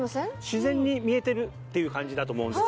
自然に見えてるっていう感じだと思うんですよね。